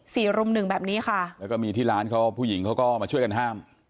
กลุ่มหนึ่งแบบนี้ค่ะแล้วก็มีที่ร้านเขาผู้หญิงเขาก็มาช่วยกันห้าม